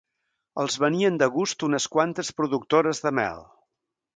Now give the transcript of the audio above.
Els venien de gust unes quantes productores de mel.